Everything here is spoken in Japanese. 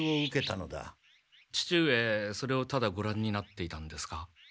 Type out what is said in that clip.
父上それをただごらんになっていたんですか？